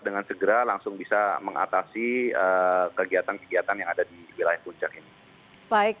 dengan segera langsung bisa mengatasi kegiatan kegiatan yang ada di wilayah puncak ini